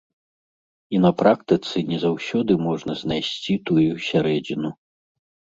І на практыцы не заўсёды можна знайсці тую сярэдзіну.